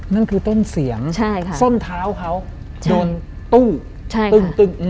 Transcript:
นั่นคือต้นเสียงส้นเท้าเขาโดนตู้ตึ้ง